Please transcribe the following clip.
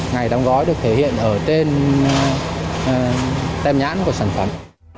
ngày đóng gói được thể hiện ở trên tem nhãn của sản phẩm